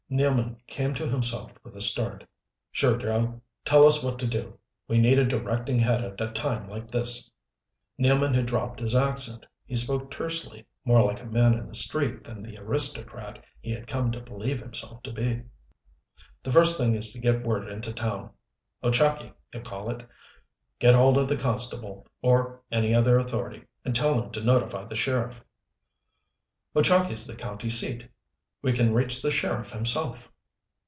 Nealman came to himself with a start. "Sure, Joe. Tell us what to do. We need a directing head at a time like this." Nealman had dropped his accent. He spoke tersely, more like a man in the street than the aristocrat he had come to believe himself to be. "The first thing is to get word into town Ochakee, you call it. Get hold of the constable, or any other authority, and tell him to notify the sheriff." "Ochakee's the county seat we can reach the sheriff himself."